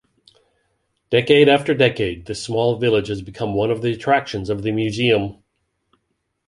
Decade after decade, this small village has become one of the attractions of the museum.